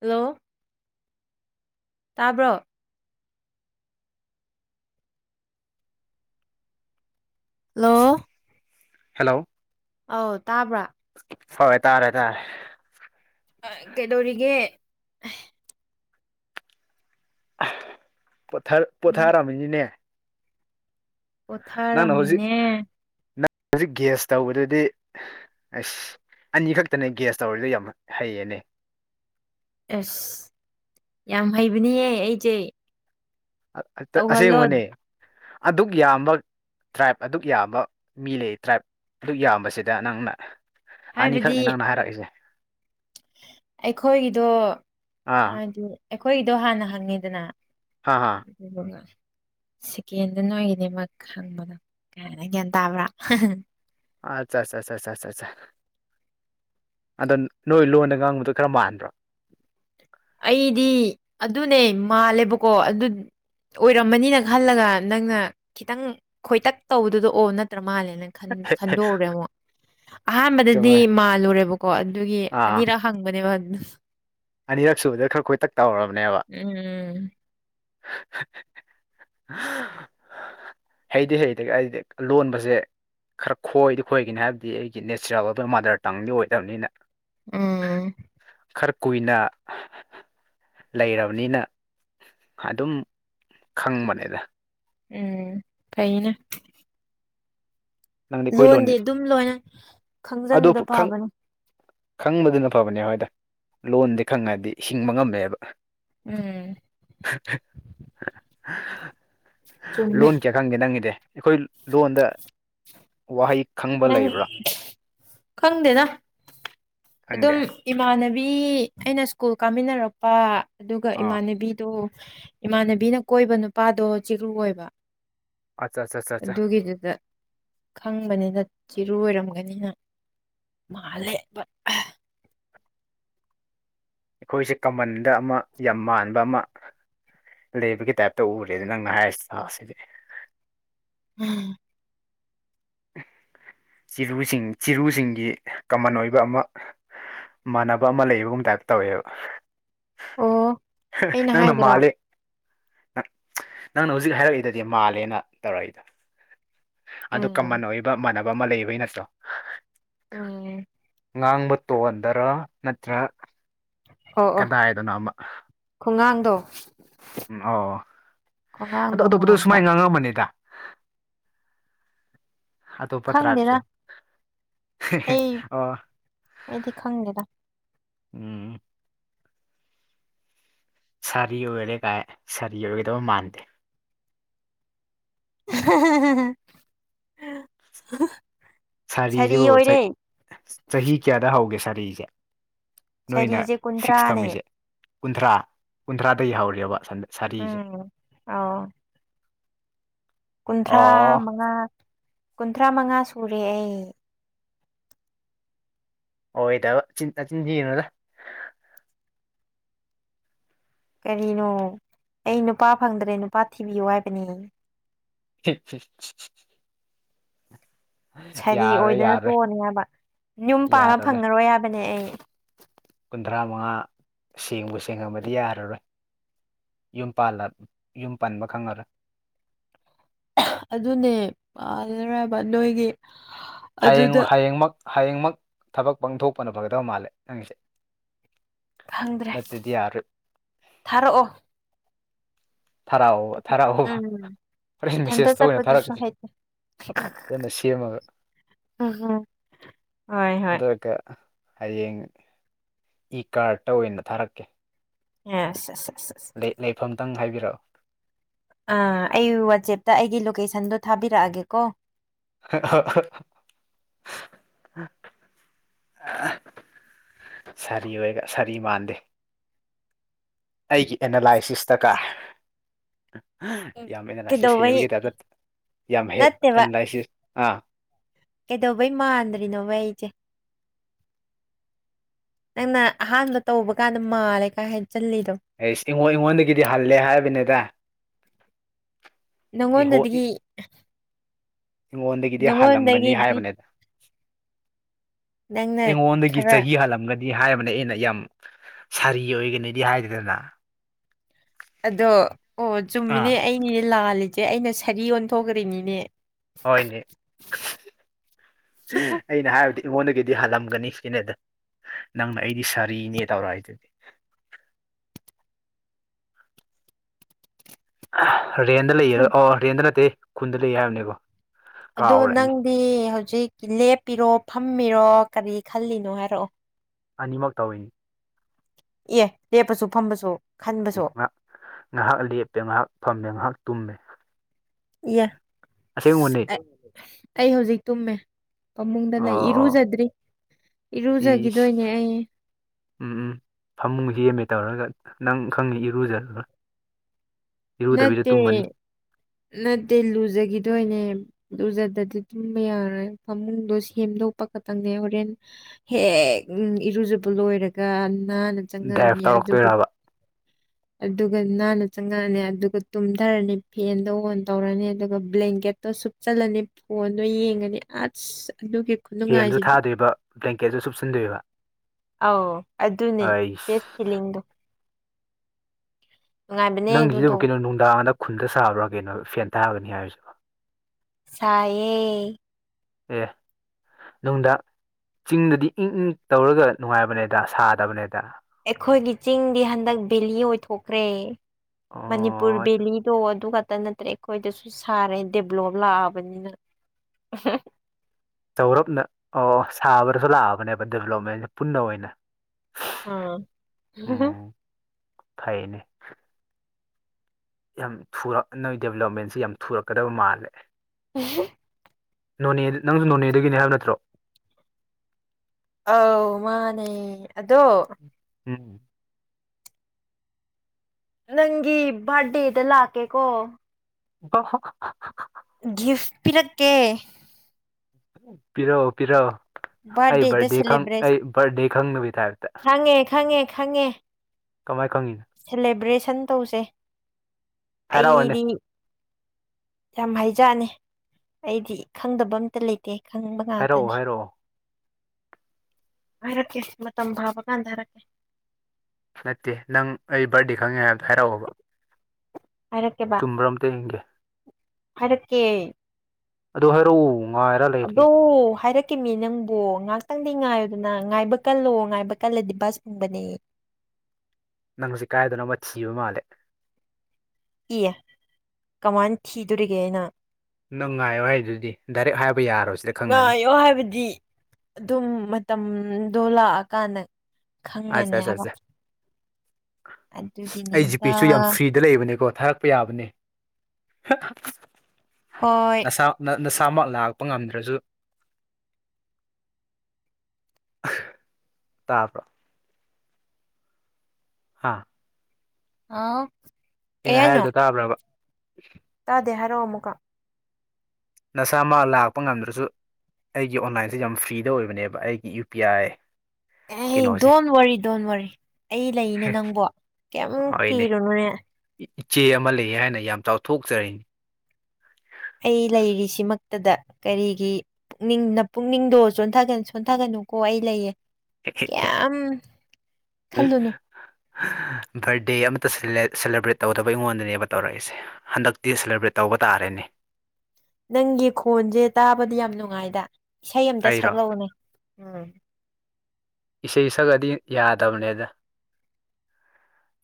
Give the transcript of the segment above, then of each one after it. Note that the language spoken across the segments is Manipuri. ꯍꯜꯂꯣ ꯇꯥꯕ꯭ꯔꯣ ꯍꯜꯂꯣ ꯍꯜꯂꯣ ꯑꯧ ꯇꯥꯕ꯭ꯔꯥ ꯍꯣꯏ ꯇꯥꯔꯦ ꯇꯥꯔꯦ ꯑ ꯀꯩꯗꯧꯔꯤꯒꯦ ꯎꯝ ꯄꯣꯊꯥꯔꯝꯃꯤꯅꯤꯅꯦ ꯅꯪꯅ ꯍꯧꯖꯤꯛ ꯄꯣꯊꯥꯔꯝꯃꯤꯅꯦ ꯅꯪ ꯍꯧꯖꯤꯛ ꯒ꯭ꯌꯥꯁ ꯇꯧꯕꯗꯨꯗꯤ ꯑꯁ ꯑꯅꯤ ꯈꯛꯇꯅꯦ ꯒ꯭ꯌꯥꯁ ꯇꯧꯔꯤꯗ ꯌꯥꯝ ꯍꯩꯌꯦꯅꯦ ꯑꯁ ꯌꯥꯝ ꯍꯩꯕꯅꯤꯍꯦ ꯑꯩꯁꯦ ꯇꯧꯍꯜꯂꯣ ꯑꯁꯦꯡꯕꯅꯦ ꯑꯗꯨꯛ ꯌꯥꯝꯕ ꯇ꯭ꯔꯥꯏꯕ ꯑꯗꯨꯛ ꯌꯥꯝꯕ ꯃꯤ ꯂꯩ ꯇ꯭ꯔꯥꯏꯞ ꯑꯗꯨꯛ ꯌꯥꯝꯕꯁꯤꯗ ꯅꯪꯅ ꯍꯥꯏꯕꯗꯤ ꯑꯅꯤꯈꯛꯅꯦ ꯅꯪꯅ ꯍꯥꯏꯔꯛꯏꯁꯦ ꯑꯩꯈꯣꯏꯒꯤꯗꯣ ꯑꯥ ꯍꯥꯏꯗꯤ ꯑꯩꯈꯣꯏꯗꯣ ꯍꯥꯟꯅ ꯍꯪꯉꯤꯗꯅ ꯑꯥ [inaudible] ꯁꯦꯀꯦꯟꯗꯨ ꯅꯣꯏꯒꯤꯅꯤꯃꯛ ꯍꯪꯕꯗꯣ ꯀꯩꯅ ꯒ꯭ꯌꯥꯟ ꯇꯥꯕ꯭ꯔꯥ ꯑꯆꯥ ꯆꯥ ꯆꯥ ꯆꯥ ꯆꯥ ꯑꯗꯣ ꯅꯣꯏ ꯂꯣꯟꯗ ꯉꯥꯡꯕꯗꯣ ꯈꯔ ꯃꯥꯟꯕ꯭ꯔꯣ ꯃꯤꯗꯤ ꯑꯗꯨꯅꯦ ꯃꯥꯜꯂꯦꯕꯀꯣ ꯑꯗꯨ ꯑꯣꯏꯔꯝꯃꯅꯤꯅ ꯈꯜꯂꯒ ꯅꯪꯅ ꯈꯤꯇꯪ ꯈꯣꯏꯇꯛ ꯇꯧꯕꯗꯨꯗ ꯑꯣ ꯅꯠꯇ꯭ꯔ ꯃꯥꯜꯂꯦ ꯈꯟꯗꯣꯛꯎꯔꯦ ꯑꯃꯨꯛ ꯑꯍꯥꯟꯕꯗꯗꯤ ꯆꯨꯝꯃꯦ ꯃꯥꯜꯂꯨꯔꯦꯕ ꯀꯣ ꯑꯗꯨꯒꯤ ꯑꯅꯤꯔꯛ ꯍꯪꯕꯅꯦꯕ [inaudible] ꯑꯅꯤꯔꯛꯁꯨꯗ ꯈꯔ ꯈꯣꯏ ꯇꯠ ꯎꯝ ꯎꯝ ꯍꯩꯗꯤ ꯍꯩꯗꯤ ꯑꯩꯗꯤ ꯂꯣꯟꯕꯁꯦ ꯈꯔ ꯈꯣꯏꯗꯤ ꯈꯣꯏꯒꯅꯤ ꯍꯥꯏꯕꯗꯤ ꯑꯩꯒꯤ ꯅꯦꯆꯔꯦꯜ ꯑꯣꯏꯕ ꯃꯥꯗꯔ ꯇꯪꯗꯤ ꯑꯣꯏꯗꯕꯅꯤꯅ ꯎꯝ ꯈꯔꯛ ꯀꯨꯏꯅ ꯂꯩꯔꯕꯅꯤꯅ ꯑꯗꯨꯝ ꯈꯪꯕꯅꯤꯗ ꯎꯝ ꯀꯩꯩꯅ ꯅꯪꯗꯤ ꯑꯩꯈꯣꯏ ꯂꯣꯟ ꯂꯣꯟꯗꯤ ꯑꯗꯨꯝ ꯂꯣꯏꯅ ꯑꯗꯨ ꯈꯪꯖꯤꯟꯕꯗ ꯄꯥꯕꯅꯦ ꯈꯪꯕꯗꯨꯅ ꯐꯕꯅꯦ ꯍꯣꯏꯗ ꯂꯣꯟꯗꯤ ꯈꯪꯉꯗꯤ ꯍꯤꯡꯕ ꯉꯝꯃꯦꯕ ꯎꯝ [inaudible] ꯆꯨꯝꯃꯦ ꯂꯣꯟ ꯀꯦ ꯈꯪꯒꯦ ꯅꯪꯒꯤꯗꯤ ꯑꯩꯈꯣꯏ ꯂꯣꯟꯗ ꯋꯥꯍ ꯏ ꯅꯪ ꯈꯪꯗꯦꯅ ꯈꯪꯗꯦ ꯑꯗꯨꯝ ꯏꯃꯥꯟꯅꯕꯤ ꯕꯤ ꯑꯩꯅ ꯁ꯭ꯀꯨꯜ ꯀꯥꯃꯤꯟꯅꯔꯛꯄ ꯑꯗꯨꯒ ꯑꯥ ꯏꯃꯥꯟꯅꯕꯤꯗꯣ ꯏꯃꯥꯟꯅꯕꯤꯅ ꯀꯣꯏꯕ ꯅꯨꯄꯥꯗꯣ ꯆꯤꯔꯨ ꯑꯣꯏꯕ ꯑꯆꯥ ꯆꯥꯆꯥꯆꯥ ꯑꯗꯨꯒꯤꯗꯨꯗ ꯈꯪꯕꯅꯤꯅ ꯆꯤꯔꯨ ꯑꯣꯏꯔꯝꯒꯅꯤꯅ ꯃꯥꯜꯂꯦꯕ ꯑꯩꯈꯣꯏꯁꯦ ꯀꯃꯟꯅ ꯗ ꯑꯃ ꯌꯥꯝ ꯃꯥꯟꯕ ꯑꯃ ꯂꯩꯕꯒꯤ ꯇꯥꯏꯞꯇ ꯎꯔꯦ ꯑꯗꯨ ꯅꯪꯅ ꯍꯥꯏꯔꯤꯁꯤ ꯑꯁꯤꯗꯤ ꯎꯝ ꯆꯤꯔꯨꯁꯤꯡ ꯆꯤꯔꯨꯁꯤꯡꯒꯤ ꯀꯃꯟ ꯑꯣꯏꯕ ꯑꯃ ꯃꯥꯟꯅꯕ ꯑꯃ ꯂꯩꯕꯒꯨꯝ ꯇꯥꯏꯞ ꯇꯧꯋꯦꯕ ꯑꯣ ꯑꯩꯅ ꯅꯪ ꯅ ꯍꯥꯏꯗ꯭ꯔꯣ ꯃꯥꯂꯦ ꯅꯪꯅ ꯍꯧꯖꯤꯛ ꯍꯥꯏꯔꯛꯏꯗꯗꯤ ꯃꯥꯜꯂꯦꯅ ꯇꯧꯔꯛꯏꯗꯣ ꯑꯗꯨ ꯎꯝ ꯀꯃꯟ ꯑꯣꯏꯕ ꯃꯥꯟꯅ ꯑꯃ ꯂꯩꯕꯩ ꯅꯠꯇ꯭ꯔꯣ ꯎꯝ ꯉꯥꯡꯕ ꯇꯣꯟꯗꯔ ꯅꯠꯇ꯭ꯔ ꯀꯗꯥꯏꯗꯅꯣ ꯑꯃ ꯈꯨꯉꯥꯡꯗꯣ ꯎꯝ ꯑꯣ ꯑꯗꯣ ꯈꯣꯡꯒꯥꯡꯗꯣ ꯑꯇꯣꯞꯄꯗ ꯃꯥꯟꯕ ꯁꯨꯃꯥꯏꯅ ꯉꯥꯡꯉꯝꯕꯅꯤꯗ ꯑꯇꯣꯞꯄ ꯈꯪꯗꯦꯗ ꯇ꯭ꯔꯥꯏꯞꯁꯨ ꯑꯩ ꯑꯣ ꯑꯩꯗꯤ ꯈꯪꯗꯦꯗ ꯎꯝ ꯁꯥꯔꯤ ꯑꯣꯏꯔꯦ ꯀꯥꯏ ꯁꯥꯔꯤ ꯑꯣꯏꯒꯗꯧꯕ ꯃꯥꯟꯗꯦ [unintelligible] ꯁꯥꯔꯤ ꯁꯥꯔꯤꯁꯤꯕꯨ ꯑꯣꯏꯔꯦ ꯆꯍꯤ ꯀꯌꯥꯗ ꯍꯧꯒꯦ ꯁꯥꯔꯤ ꯔꯤꯖꯦ ꯁꯥꯔꯤꯁꯦ ꯀꯨꯟꯊ꯭ꯔꯥꯅꯦ ꯀꯨꯟꯊ꯭ꯔꯥ ꯀꯨꯟꯊ꯭ꯔꯥꯗꯩ ꯌꯥꯍꯎꯔꯤꯕ ꯎꯝ ꯑꯎ ꯀꯨꯟꯊ꯭ꯔꯥ ꯑꯣ ꯃꯉꯥ ꯀꯨꯟꯊ꯭ꯔꯥ ꯃꯉꯥ ꯁꯨꯔꯦ ꯑꯩ ꯑꯣꯏꯗꯕ ꯆꯤꯟ ꯅꯆꯤꯟꯊꯤꯅꯨꯗ ꯀꯔꯤꯅꯣ ꯑꯩ ꯅꯨꯄꯥ ꯐꯪꯗ꯭ꯔꯦ ꯅꯨꯄꯥ ꯊꯤꯕꯤꯌꯨ ꯍꯥꯏꯕꯅꯤ [unintelligible] ꯁꯥꯔꯤ ꯌꯥꯔꯣꯏ ꯑꯣꯏꯗꯅ ꯌꯥꯔꯣꯏ ꯇꯣꯛꯑꯅꯤ ꯍꯥꯏꯕ ꯌꯨꯝ ꯄꯥꯟꯕ ꯌꯥꯔꯔꯣꯏ ꯐꯪꯉꯔꯣꯏ ꯍꯥꯏꯕꯅꯦ ꯑꯩ ꯀꯨꯟꯊ꯭ꯔꯥ ꯃꯉꯥ ꯁꯦꯡꯕꯨ ꯁꯦꯡꯉꯝꯃꯗꯤ ꯌꯥꯔꯔꯣꯏ ꯌꯨꯝ ꯄꯥꯜꯂ ꯄꯥꯟꯕ ꯈꯪꯉꯔꯣꯏ ꯑꯗꯨꯅꯦ ꯄꯥꯜꯂꯔꯣꯏ ꯍꯥꯏꯕ ꯅꯣꯏꯒꯤ ꯍꯌꯦꯡ ꯑꯗꯨꯗ ꯍꯌꯦꯡꯃꯛ ꯍꯌꯦꯡꯃꯛ ꯊꯕꯛ ꯄꯥꯡꯊꯣꯛꯄꯅ ꯐꯒꯗꯕ ꯃꯥꯜꯂꯦ ꯅꯪꯒꯤꯁꯦ ꯐꯪꯗ꯭ꯔꯦ ꯅꯠꯇ꯭ꯔꯗꯤ ꯌꯥꯔꯣꯏ ꯊꯥꯔꯛꯑꯣ ꯊꯥꯔꯛꯑꯣ ꯊꯥꯔꯛꯑꯣꯕ ꯎꯝ ꯍꯣꯔꯦꯟ ꯏꯊꯟꯇ ꯃꯦꯁꯦꯖ ꯇ ꯑꯣꯏꯅ ꯆꯠꯄꯗꯨꯁꯨ ꯊꯥꯔꯛꯀꯦ ꯍꯩꯇꯦ ꯐꯖꯅ ꯁꯦꯝꯃꯒ ꯎꯝ ꯎꯝ ꯍꯣꯏ ꯍꯣꯏ ꯑꯗꯨꯒ ꯍꯌꯦꯡ ꯏ ꯀꯥꯔꯠꯇ ꯑꯣꯏꯅ ꯊꯥꯔꯛꯀꯦ [unintelligible] ꯂꯩꯐꯝ ꯇꯪ ꯍꯥꯏꯕꯤꯔ [inaudible] ꯑꯥ ꯑꯩ ꯋꯥꯆꯦꯞꯇ ꯑꯩꯒꯤ ꯂꯣꯀꯦꯁꯟꯗꯣ ꯊꯥꯕꯤꯔꯛꯑꯒꯦꯀꯣ ꯁꯥꯔꯤ ꯑꯣꯏꯒ ꯁꯥꯔꯤ ꯃꯥꯟꯗꯦ ꯑꯩꯒꯤ ꯑꯦꯅꯥꯂꯥꯏꯁꯤꯁꯇ ꯀꯥꯔ ꯌꯥꯝ ꯑꯦꯅꯥꯂꯥꯏꯁꯤꯁ ꯀꯩꯗꯧꯕꯩ ꯍꯩꯕꯒꯤ ꯇꯥꯏꯞꯇ ꯌꯥꯝ ꯍꯦ ꯅꯠꯇꯦꯕ ꯑꯦꯅꯥꯂꯥꯏꯁꯤꯁ ꯑꯥ ꯀꯩꯗꯧꯕꯩ ꯃꯥꯟꯗ꯭ꯔꯤꯅꯣꯕ ꯑꯩꯁꯦ ꯅꯪꯅ ꯑꯍꯥꯟꯕ ꯇꯧꯕ ꯀꯥꯟꯗ ꯃꯥꯜꯂꯦ ꯀꯥꯏ ꯍꯥꯏ ꯑꯩ ꯏꯉꯣꯟ ꯑꯩꯉꯣꯟꯗꯒꯤꯗꯤ ꯍꯜꯂꯦ ꯍꯥꯏꯕꯅꯤꯗ ꯏꯍꯣ ꯅꯪꯉꯣꯟꯗꯗꯒꯤ ꯑꯩꯉꯣꯟꯗꯒꯤꯗꯤ ꯍꯥꯜꯂꯝꯒꯅꯤ ꯍꯥꯏꯕꯅꯤꯗ ꯅꯪꯅ ꯑꯩꯉꯣꯟꯗꯒꯤ ꯈꯔ ꯆꯍꯤ ꯍꯜꯂꯝꯒꯅꯤ ꯍꯥꯏꯔꯕꯅꯦ ꯑꯩꯅ ꯌꯥꯝ ꯁꯥꯔꯤ ꯑꯣꯏꯒꯅꯤꯗꯤ ꯍꯥꯏꯗꯦꯗꯅ ꯑꯗꯣ ꯑꯣ ꯑꯥ ꯆꯨꯝꯃꯤꯅꯦ ꯑꯩꯅꯤꯗꯤ ꯂꯥꯜꯂꯤ ꯆꯦ ꯑꯩꯅ ꯁꯔꯤ ꯑꯣꯟꯊꯣꯛꯈ꯭ꯔꯤꯅꯤꯅꯦ ꯍꯣꯏꯅꯦ ꯑꯩꯅ ꯍꯥꯏꯕꯗꯤ ꯑꯩꯉꯣꯟꯗꯒꯤꯗꯤ ꯍꯥꯜꯂꯝꯒꯅꯤ ꯁꯤꯅꯦꯗ ꯅꯪꯅ ꯑꯩꯗꯤ ꯁꯥꯔꯤꯅꯦ ꯇꯧꯔꯛꯢꯗꯨꯗꯤ꯫ [inaudible] ꯔꯦꯟꯗ ꯂꯩꯌꯦꯔ ꯍꯣꯏ ꯑꯣ ꯔꯦꯟꯗ ꯅꯠꯇꯦ ꯈꯨꯟꯗ ꯂꯩ ꯍꯥꯏꯕꯅꯦꯕꯣ ꯑꯗꯣ ꯅꯪꯗꯤ ꯍꯧꯖꯤꯛ ꯂꯦꯞꯄꯤꯔꯣ ꯐꯝ ꯃꯤꯔꯣ ꯀꯔꯤ ꯈꯜꯂꯤꯅꯣ ꯍꯥꯏꯔꯛꯑꯣ ꯑꯅꯤꯃꯛ ꯇꯧꯋꯤꯅꯤ ꯑꯦ ꯂꯦꯞꯄꯁꯨ ꯐꯝꯕꯁꯨ ꯈꯟꯕꯁꯨ ꯉꯍ ꯉꯥꯏꯍꯥꯛ ꯂꯦꯞꯄꯦ ꯉꯥꯏꯍꯥꯛ ꯐꯝꯃꯦ ꯉꯥꯏꯍꯥꯛ ꯇꯨꯝꯃꯦ ꯌꯦ ꯑꯁꯦꯡꯕꯅꯦ [inaudible] ꯑꯩ ꯍꯧꯖꯤꯛ ꯇꯨꯝꯃꯦ ꯄꯥꯃꯨꯡꯗ ꯂꯩ ꯑꯣ ꯏꯔꯨꯖꯗ꯭ꯔꯤ ꯏꯔꯨꯖꯈꯤꯗꯣꯏꯅꯦ ꯏꯁ ꯑꯩ ꯎꯝ ꯎꯝ ꯐꯃꯨꯡ ꯍꯦꯝꯃꯦ ꯇꯧꯔꯒ ꯅꯪ ꯈꯪꯅꯤ ꯏꯔꯨꯖꯔꯒ ꯏꯔꯨꯗꯕꯤꯗ ꯅꯠꯇꯦ ꯇꯨꯝꯃꯅꯤ ꯅꯠꯇꯦ ꯂꯨꯖꯈꯤꯗꯣꯏꯅꯦ ꯂꯨꯖꯗꯗꯤ ꯇꯨꯝꯕ ꯌꯥꯔꯣꯏ ꯐꯃꯨꯡꯗꯣ ꯁꯦꯝꯗꯣꯛꯄ ꯈꯛꯇꯪꯅꯦ ꯍꯣꯔꯦꯟ ꯍꯦꯛ ꯏꯔꯨꯖꯕ ꯂꯣꯏꯔꯒ ꯅꯍꯅ ꯗꯥꯏꯞ ꯆꯪꯉꯑꯅꯤ ꯑꯗꯨꯕꯨ ꯇꯧꯔꯛꯇꯣꯏꯔꯕ ꯑꯗꯨꯒ ꯅꯥꯟꯅ ꯆꯪꯉꯛꯑꯅꯤ ꯑꯗꯨꯒ ꯇꯨꯝꯊꯔꯅꯤ ꯐꯦꯟ ꯗꯣ ꯑꯣꯟ ꯇꯧꯔꯅꯤ ꯑꯗꯨꯒ ꯕ꯭ꯂꯦꯡꯀꯦꯠꯇꯣ ꯁꯨꯞꯆꯜꯂꯅꯤ ꯐꯣꯟꯗꯣ ꯌꯦꯡꯉꯅꯤ ꯑꯁ ꯑꯗꯨꯒꯤ ꯐꯦꯟꯁꯨ ꯈꯨꯅꯨꯡꯉꯥꯏꯁꯤꯗꯤ ꯊꯥꯗꯣꯏꯕ ꯕ꯭ꯂꯦꯡꯀꯦꯠꯁꯨ ꯁꯨꯞꯆꯤꯟꯗꯣꯏꯕ ꯑꯥꯎ ꯑꯗꯨꯅꯦ ꯑꯩꯁ ꯕꯦꯁꯇ ꯐꯤꯂꯤꯡꯗꯣ ꯅꯨꯡꯉꯥꯏꯕꯅꯦ ꯑꯗꯨꯗꯣ ꯅꯪꯁꯤꯗꯤꯕꯨ ꯀꯩꯅꯣ ꯅꯨꯡꯗꯥꯡꯗ ꯈꯨꯟꯗ ꯁꯥꯕ꯭ꯔꯥ ꯀꯩꯅꯣ ꯐꯦꯟ ꯊꯥꯒꯅꯤ ꯍꯥꯏꯔꯤꯁꯤꯕ ꯁꯌꯦꯌꯦ ꯑꯦ ꯅꯨꯡꯗ ꯆꯤꯡꯗꯗꯤ ꯏꯪ ꯏꯪ ꯇꯧꯔꯒ ꯅꯨꯡꯉꯥꯏꯕꯅꯦꯗ ꯁꯥꯗꯕꯅꯦꯗ ꯑꯦꯈꯣꯏꯒꯤ ꯆꯤꯡꯗꯤ ꯍꯟꯗꯛ ꯕꯦꯂꯤ ꯑꯣꯏꯊꯣꯛꯈ꯭ꯔꯦ ꯃꯅꯤꯄꯨꯔ ꯑꯣ ꯕꯤꯂꯤꯗꯣ ꯑꯗꯨ ꯇ ꯅꯠꯇ꯭ꯔꯦ ꯑꯩꯈꯣꯏꯗꯁꯨ ꯁꯥꯔꯦ ꯗꯦꯚꯂꯣꯞ ꯂꯥꯛꯑꯕꯅꯤꯅ ꯆꯥꯎꯧꯔꯞꯅ ꯑꯣ ꯑꯣ ꯁꯥꯕꯗꯁꯨ ꯂꯥꯛꯑꯕꯅꯦꯕ ꯗꯦꯕꯂꯞꯃꯦꯟꯁꯦ ꯄꯨꯟꯅ ꯑꯣꯏꯅ ꯑꯥ ꯎꯝ ꯐꯩꯅꯦ ꯌꯥꯝ ꯊꯨꯔꯛ ꯅꯣꯏ ꯗꯦꯕꯂꯞꯃꯦꯟꯁꯤꯦ ꯌꯥꯝ ꯊꯨꯔꯛꯀꯗꯕ ꯃꯥꯜꯂꯦ [unintelligible] ꯅꯣꯅꯦ ꯅꯪꯁꯨ ꯅꯣꯅꯦꯗꯒꯤꯅꯦ ꯍꯥꯏꯕ ꯅꯠꯇ꯭ꯔꯣ ꯑꯥꯎ ꯃꯥꯅꯦ ꯑꯗꯣ ꯎꯝ ꯅꯪꯒꯤ ꯕꯥꯔꯗꯦꯗ ꯂꯥꯛꯀꯦ ꯀꯣ [inaudible] ꯒꯤꯐ ꯄꯤꯔꯛꯀꯦ ꯄꯤꯔꯣ ꯄꯤꯔꯣ ꯑꯩ ꯕꯥꯔꯗꯦꯗ ꯕꯥꯔꯗꯦ ꯈꯪ ꯁꯦꯂꯦꯕ꯭ꯔꯦꯠ ꯑꯩ ꯕꯥꯔꯗꯦ ꯈꯪꯅꯕꯤ ꯇꯥꯏꯞ ꯈꯪꯉꯦ ꯈꯪꯉꯦ ꯈꯪꯉꯦ ꯈꯪꯉꯦ ꯀꯃꯥꯏ ꯈꯪꯉꯤꯕ ꯁꯟ ꯇꯧꯁꯦ ꯍꯥꯏꯔꯛꯑꯣꯅꯦ ꯑꯩꯗꯤ ꯌꯥꯝ ꯍꯥꯏꯖꯅꯦ ꯑꯩꯗꯤ ꯈꯪꯗꯕ ꯑꯝꯇ ꯂꯩꯇꯦ ꯈꯪꯕ ꯍꯥꯏꯔꯛꯑꯣ ꯉꯥꯛꯇꯅꯦ ꯍꯥꯏꯔꯛꯑꯣ ꯍꯥꯏꯔꯛꯀꯦ ꯃꯇꯝ ꯐꯥꯕ ꯀꯥꯟꯗ ꯍꯥꯏꯔꯛꯀꯦ ꯅꯠꯇꯦ ꯅꯪ ꯑꯩ ꯕꯥꯔꯗꯦ ꯈꯪꯉꯦ ꯍꯥꯏꯕꯗꯣ ꯍꯥꯏꯔꯛꯑꯣꯕ ꯍꯥꯏꯔꯛꯀꯦꯕ ꯆꯨꯝꯕ꯭ꯔ ꯑꯃꯝꯇ ꯌꯦꯡꯒꯦ ꯍꯥꯏꯔꯛꯀꯦ ꯑꯗꯨ ꯍꯥꯏꯔꯛꯎ ꯉꯥꯏꯔ ꯂꯩꯔꯦ ꯀꯤꯃꯤ ꯅꯪꯕꯨ ꯉꯥꯏꯍꯥꯛꯇꯪꯗꯤ ꯉꯥꯏꯌꯨꯗꯅ ꯉꯥꯏꯕ ꯀꯜꯂꯣ ꯉꯥꯏꯕ ꯀꯜꯂꯗꯤ ꯕꯁ ꯎꯪꯕꯅꯦ ꯅꯪ ꯍꯧꯖꯤꯛ ꯀꯥꯏꯗꯅꯣ ꯑꯃ ꯊꯤꯕ ꯃꯥꯜꯂꯦ ꯏꯌꯦ ꯀꯃꯥꯏꯅ ꯊꯤꯗꯣꯔꯤꯒꯦ ꯑꯩꯅ ꯅꯪ ꯉꯥꯏꯌꯣ ꯍꯥꯏꯗꯨꯗꯤ ꯗꯥꯏꯔꯦꯛ ꯍꯥꯏꯕ ꯌꯥꯔꯣꯏ ꯁꯤꯗ ꯈꯪꯉꯅꯤ ꯉꯥꯏꯌꯣ ꯍꯥꯏꯕꯗꯤ ꯑꯗꯨꯝ ꯃꯇꯝ ꯗꯣꯂꯛꯑꯥ ꯀꯥꯟꯗ ꯈꯪꯒꯅꯤ ꯑꯠꯆꯥ ꯑꯠꯆꯥ ꯍꯥꯏꯕ ꯑꯠꯆꯥ ꯑꯩ ꯑꯗꯨꯒꯤꯅꯤꯗ ꯖꯤꯄꯦꯁꯨ ꯌꯥꯝ ꯐ꯭ꯔꯤꯗ ꯂꯩꯕꯅꯦꯀꯣ ꯊꯥꯔꯛꯄ ꯌꯥꯕꯅꯦ ꯍꯣꯏ ꯅꯁꯥ ꯅ ꯅꯁꯥꯃꯛ ꯂꯥꯛꯄ ꯉꯝꯗ꯭ꯔꯁꯨ ꯇꯥꯕ꯭ꯔꯣ ꯍꯥꯥ ꯑꯥ ꯑꯩꯅ ꯍꯥꯏꯔꯤꯗꯣ ꯇꯥꯕ꯭ꯔꯥꯕ [inaudible] ꯇꯥꯗꯦ ꯍꯥꯢꯔꯛꯑꯣ ꯑꯃꯃꯨꯀ ꯅꯁꯥꯃꯛ ꯂꯥꯛꯄ ꯉꯝꯗ꯭ꯔꯁꯨ ꯑꯩꯒꯤ ꯑꯣꯟꯂꯥꯏꯟꯖꯦ ꯌꯥꯝ ꯐ꯭ꯔꯤꯗ ꯑꯣꯏꯕꯅꯦꯕ ꯑꯩꯒꯤ ꯌꯨ ꯄꯤ ꯑꯥꯏ ꯑꯦ ꯀꯩꯅꯣꯁꯦ ꯗꯣꯟ ꯋꯥꯔꯤ ꯗꯣꯟ ꯋꯥꯔꯤ ꯑꯩ ꯂꯩꯅꯦ ꯅꯪꯕꯣ ꯀꯃ ꯀ ꯍꯣꯏꯅꯦ ꯔꯣꯅꯅꯦ ꯏꯆꯦ ꯑꯃ ꯂꯩꯌꯦ ꯍꯥꯏꯅ ꯌꯥꯝ ꯆꯥꯎꯊꯣꯛꯆꯔꯤꯅꯤ ꯑꯩ ꯂꯩꯔꯤꯁꯤꯃꯛꯇꯗ ꯀꯔꯤꯒꯤ ꯄꯨꯛꯅꯤꯡꯅ ꯄꯨꯛꯅꯤꯡꯗꯣ ꯁꯣꯟꯊꯒꯅꯨꯀꯣ ꯑꯩ ꯂꯩꯌꯦ ꯀꯌꯥꯝ ꯈꯜꯂꯨꯅꯣ ꯕꯥꯔꯗꯦ ꯑꯃꯇ ꯁꯦꯂꯦꯕ꯭ꯔꯦꯠ ꯇꯧꯗꯕ ꯑꯩꯉꯣꯟꯗꯅꯦꯕ ꯇꯧꯔꯛꯏꯁꯦ ꯍꯟꯗꯛꯇꯤ ꯁꯦꯂꯦꯕ꯭ꯔꯦꯠ ꯇꯧꯕ ꯇꯥꯔꯦꯅꯦ ꯅꯪꯒꯤ ꯈꯣꯟꯁꯦ ꯇꯥꯕꯗꯤ ꯌꯥꯝ ꯅꯨꯡꯉꯥꯏꯗ ꯏꯁꯩ ꯑꯃꯝꯇ ꯑꯩꯔꯣ ꯁꯛꯂꯛꯎꯅꯦ ꯎꯝ ꯏꯁꯩ ꯁꯛꯑꯗꯤ ꯌꯥꯗꯕꯅꯦꯗ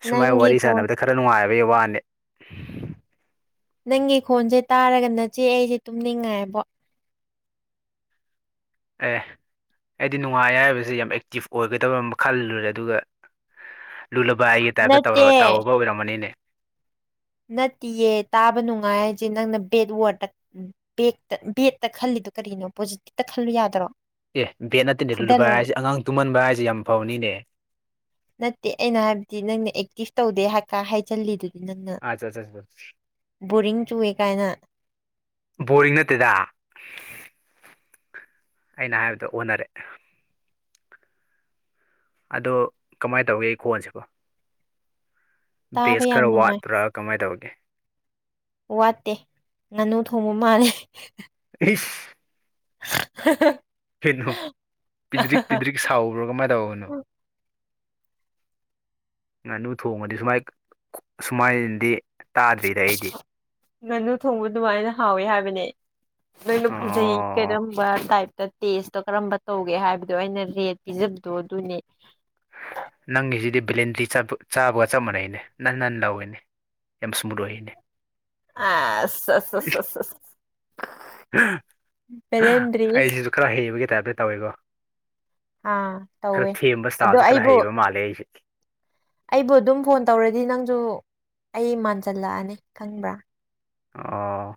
ꯁꯨꯃꯥꯏ ꯅꯪꯒꯤ ꯋꯥꯔꯤ ꯈꯣꯟ ꯁꯥꯟꯅꯕꯗ ꯈꯔ ꯅꯨꯡꯉꯥꯏꯕ ꯋꯥꯅꯦ ꯅꯪꯒꯤ ꯈꯣꯟꯖꯦ ꯇꯥꯔꯒ ꯅꯆꯦ ꯑꯩꯁꯦ ꯇꯨꯝꯅꯤꯡꯉꯛꯑꯦꯕꯣ ꯑꯦ ꯑꯩꯗꯤ ꯅꯨꯡꯉꯥꯏ ꯍꯥꯏꯕꯁꯖꯦ ꯌꯥꯝ ꯑꯦꯛꯇꯤꯐ ꯑꯣꯏꯒꯗꯕ ꯑꯃ ꯈꯜꯂꯨꯔꯦ ꯑꯗꯨꯒ ꯂꯨꯂꯕꯥꯢꯒꯤ ꯇꯥꯏꯞꯇ ꯅꯠꯇꯦ ꯇꯧꯔ ꯇꯧꯔꯒ ꯑꯣꯏꯔꯝꯃꯅꯤꯅꯦ ꯅꯠꯇꯤꯌꯦ ꯇꯥꯕ ꯅꯨꯡꯉꯥꯏ ꯍꯥꯏꯁꯦ ꯅꯪꯅ ꯕꯦꯠ ꯋꯥꯔꯗ ꯕꯦꯠ ꯕꯦꯠꯇ ꯈꯜꯂꯤꯗꯣ ꯀꯔꯤꯅꯣ ꯄꯣꯖꯤꯇꯤꯞꯇ ꯈꯜꯂꯨ ꯌꯥꯗꯔꯣ ꯑꯦ ꯕꯦꯠ ꯅꯠꯇꯦꯅꯦ ꯂꯨꯨꯕ ꯍꯥꯏꯁꯦ ꯑꯉꯥꯡ ꯇꯨꯝꯍꯟꯕ ꯍꯥꯏꯁꯦ ꯌꯥꯝ ꯐꯥꯎꯅꯤꯅꯦ ꯅꯠꯇꯦ ꯑꯩꯅ ꯍꯥꯏꯕꯗꯤ ꯅꯪꯅ ꯑꯦꯛꯇꯤꯐ ꯇꯧꯗꯦ ꯍꯥꯢ ꯀ ꯍꯥꯢꯖꯜꯂꯤꯗꯨ ꯑꯆꯥ ꯑꯠꯆꯥ ꯕꯣꯔꯤꯡ ꯆꯨꯑꯦ ꯀꯥꯏꯅ ꯕꯣꯔꯤꯡ ꯅꯠꯇꯦꯗ ꯑꯩꯅ ꯍꯥꯏꯕꯗꯣ ꯑꯣꯟꯅꯔꯦ ꯑꯗꯣ ꯀꯃꯥꯏꯅ ꯇꯧꯒꯦ ꯑꯩ ꯀꯣꯟꯁꯤꯕ ꯇꯥꯕ ꯕꯦꯁ ꯌꯥꯝ ꯈꯔ ꯅꯨꯡꯉꯥꯏ ꯋꯥꯠꯄ꯭ꯔꯥ ꯀꯃꯥꯏꯅ ꯇꯧꯒꯦ ꯑꯦ ꯋꯥꯠꯇꯦ ꯉꯥꯅꯨ ꯊꯣꯡꯕ ꯃꯥꯜꯂꯦ ꯍꯤꯁ [inaudible] ꯀꯩꯅꯣ ꯄꯤꯗ꯭ꯔꯤꯛ ꯄꯤꯗ꯭ꯔꯤꯛ ꯁꯥꯎꯕ꯭ꯔꫭ ꯀꯃꯥꯏꯅ ꯇꯧꯕꯅꯣ ꯉꯥꯅꯨ ꯊꯣꯡꯉꯗꯤ ꯁꯨꯃꯥꯏ ꯈꯨ ꯁꯨꯃꯥꯏꯅꯗꯤ ꯇꯥꯗ꯭ꯔꯤꯗ ꯑꯩꯗꯤ ꯃꯦꯅꯨ ꯊꯣꯡꯕ ꯑꯗꯨꯃꯥꯏꯅ ꯍꯥꯎꯋꯤ ꯍꯥꯏꯕꯅꯦ ꯅꯣꯏꯅ ꯐꯪꯖꯩ ꯑꯣ ꯀꯔꯝꯕ ꯇꯥꯏꯞ ꯇꯦꯁꯇꯣ ꯀꯔꯝꯕ ꯇꯧꯒꯦ ꯍꯥꯏꯕꯗꯣ ꯑꯩꯅ ꯔꯦꯠ ꯄꯤꯖꯕꯗꯣ ꯑꯗꯨꯅꯦ ꯅꯪꯒꯤꯁꯤꯗꯤ ꯕꯦꯂꯦꯟꯗ꯭ꯔꯤ ꯆꯕ ꯆꯥꯕꯒ ꯆꯞ ꯃꯥꯟꯅꯩꯅꯦ ꯅꯥꯟ ꯅꯥꯟ ꯂꯥꯎꯏꯤꯅꯦ ꯌꯥꯝ ꯁꯃꯨꯠ ꯑꯣꯏꯌꯦꯅꯦ ꯑꯁ ꯁ ꯁꯁ ꯁꯁ ꯕꯦꯂꯦꯟꯗ꯭ꯔꯤ ꯑꯩꯁꯤꯁꯨ ꯈꯔ ꯍꯩꯕꯒꯤ ꯇꯥꯏꯞꯇ ꯇꯧꯋꯦꯀꯣ ꯑꯥ ꯈꯔ ꯇꯧꯋꯦ ꯊꯦꯝꯕ ꯑꯗꫭ ꯏꯁꯇꯥꯏꯜꯁꯦ ꯈꯔ ꯑꯩꯕꯨ ꯍꯩꯕ ꯃꯥꯜꯂꯦ ꯑꯩꯁꯦ ꯑꯩꯕꯨ ꯑꯗꯨꯝ ꯐꯣꯟ ꯇꯧꯔꯗꯤ ꯅꯪꯁꯨ ꯑꯩ ꯃꯥꯟꯁꯤꯜꯂꯛꯑꯅꯤ ꯈꯪꯕ꯭ꯔꯥ ꯑꯣ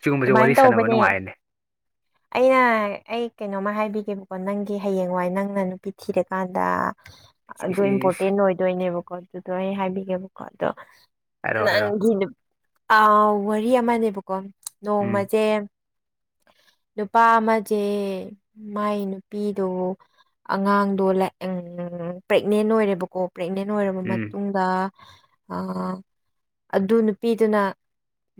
ꯁꯤꯒꯨꯝꯕꯁꯦ ꯑꯗꯨꯃꯥꯏꯅ ꯋꯥꯔꯤ ꯁꯥꯅꯕ ꯇꯧꯕꯅꯦ ꯅꯨꯡꯉꯥꯏ ꯑꯦꯅꯦ ꯑꯩꯅ ꯑꯩ ꯀꯩꯅꯣꯝꯃ ꯍꯥꯏꯕꯤꯒꯦꯕꯀꯣ ꯅꯪꯒꯤ ꯍꯌꯦꯡꯋꯥꯏ ꯅꯪꯅ ꯅꯨꯄꯤ ꯊꯤꯔꯀꯥꯟꯗ ꯏꯁ ꯑꯗꯣ ꯏꯁ ꯏꯁ ꯏꯝꯄꯣꯔꯇꯦꯟ ꯑꯣꯏꯗꯣꯏꯅꯦꯕꯀꯣ ꯑꯗꯨꯗꯣ ꯑꯩ ꯍꯥꯏꯕꯤꯒꯦꯕꯀꯣ ꯑꯗꯣ ꯍꯥꯏꯔꯣ ꯍꯥꯏꯔꯣ ꯅꯪꯒꯤ ꯅꯨ ꯑ ꯋꯥꯔꯤ ꯑꯃꯅꯦꯕꯀꯣ ꯎꯝ ꯅꯣꯡꯃꯖꯦ ꯅꯨꯄꯥ ꯑꯃꯁꯦ ꯃꯥꯏ ꯅꯨꯄꯤꯗꯣ ꯑꯉꯥꯡꯗꯣ ꯂꯦ ꯄ꯭ꯔꯦꯒꯅꯦꯟ ꯑꯣꯏꯔꯦꯕꯀꯣ ꯄ꯭ꯔꯦꯒꯅꯦꯟ ꯑꯣꯏꯔꯕ ꯎꯝ ꯃꯇꯨꯡꯗ ꯑꯥ ꯑꯗꯨ ꯅꯨꯄꯤꯗꯨꯅ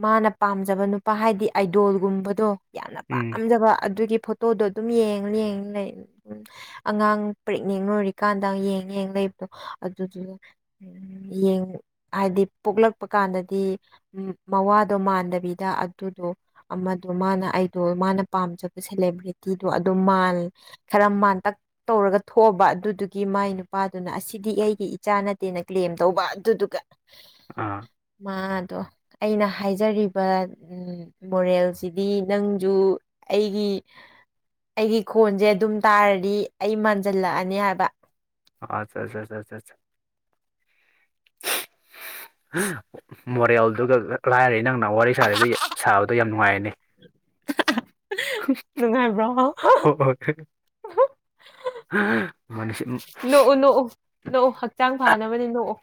ꯃꯥꯅ ꯄꯥꯝꯖꯕ ꯅꯨ ꯄꯥ ꯍꯥꯏꯗꯤ ꯑꯥꯏꯗꯣꯜꯒꯨꯝꯕꯗꯣ ꯌꯥꯝꯅ ꯎꯝ ꯄꯥꯝꯖꯕ ꯑꯗꯨꯒꯤ ꯐꯣꯇꯣꯗꯣ ꯑꯗꯨꯝ ꯌꯦꯡ ꯌꯦꯡꯉ ꯂꯩ ꯑꯉꯥꯡ ꯄ꯭ꯔꯦꯒꯅꯦꯟ ꯑꯣꯏꯔꯤꯀꯥꯟꯗ ꯌꯦꯡ ꯌꯦꯡ ꯂꯩꯕꯗꯣ ꯑꯗꯨꯗꯨꯗ ꯎꯝ ꯌꯦꯡ ꯍꯥꯏꯗꯤ ꯄꯣꯛꯂꯛꯄ ꯀꯥꯟꯗꯗꯤ ꯃꯋꯥꯗꯣ ꯃꯥꯟꯗꯕꯤꯗ ꯑꯗꯨꯗꯣ ꯑꯃꯗꯣ ꯃꯥꯅ ꯑꯥꯏꯗꯣꯜ ꯃꯥꯅ ꯄꯥꯝꯖꯕ ꯁꯦꯂꯦꯕ꯭ꯔꯤꯇꯤꯗꯣ ꯑꯗꫭ ꯃꯥꯥꯜ ꯈꯔ ꯃꯥꯥꯟꯇꯛ ꯇꯧꯔꯒ ꯊꯣꯛꯑꯕ ꯑꯗꯨꯗꯨꯒꯤ ꯃꯥꯏ ꯅꯨꯄꯥꯗꯨꯅ ꯑꯁꯤꯗꯤ ꯑꯩꯒꯤ ꯏꯆꯥ ꯅꯠꯇꯦꯅ ꯀ꯭ꯂꯦꯝ ꯇꯧꯕ ꯑꯗꯨꯗꯨꯒ ꯑꯥ ꯃꯥ ꯗꫭ ꯑꯩꯅ ꯍꯥꯏꯖꯔꯤꯕ ꯎꯝ ꯃꯣꯔꯦꯜꯁꯤꯗꯤ ꯅꯪꯁꯨ ꯑꯩꯒꯤ ꯑꯩꯒꯤ ꯈꯣꯟꯁꯦ ꯑꯗꯨꯝ ꯇꯥꯔꯗꯤ ꯑꯩ ꯃꯥꯟꯁꯤꯜꯂꯛꯑꯅꯤ ꯍꯥꯏꯕ ꯑꯆꯥ ꯁꯥ ꯁꯥ ꯁꯥ ꯃꯣꯔꯦꯜꯗꯨꯒ ꯀꯔꯥꯏꯗꯩ ꯅꯪ ꯋꯥꯔꯤ ꯁꯥꯔꯤꯕꯒꯤ ꯁꯥꯕ ꯌꯥꯝ ꯅꯨꯡꯉꯥꯏꯌꯦꯅꯦ ꯅꯨꯡꯉꯥꯏꯕ꯭ꯔꯣ ꯍ ꯍꯣꯏ ꯃꯅꯤꯁꯤ ꯅꯣꯛꯎ ꯑꯣꯐ